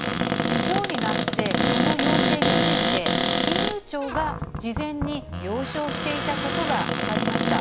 きょうになって、この要請について、金融庁が事前に了承していたことが分かりました。